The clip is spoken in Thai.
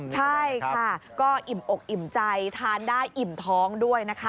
ใช่ค่ะก็อิ่มอกอิ่มใจทานได้อิ่มท้องด้วยนะคะ